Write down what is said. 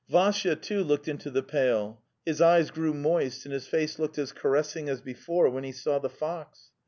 Vassya, too, looked into the pail. His eyes grew moist and his face looked as ca ressing as before when he saw the fox.